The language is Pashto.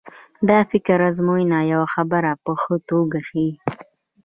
دا فکري ازموینه یوه خبره په ښه توګه ښيي.